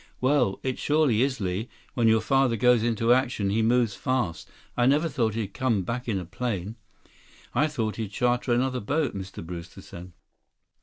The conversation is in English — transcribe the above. "Well, it surely is. Li, when your father goes into action, he moves fast. I never thought he'd come back in a plane. I thought he'd charter another boat," Mr. Brewster said.